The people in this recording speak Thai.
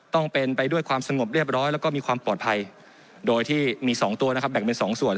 ต้องเป็นไปด้วยความสงบเรียบร้อยแล้วก็มีความปลอดภัยโดยที่มี๒ตัวนะครับแบ่งเป็น๒ส่วน